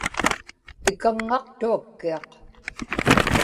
ikaŋŋaqtuakkiaq